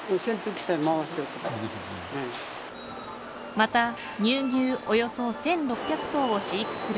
また、乳牛およそ１６００頭を飼育する。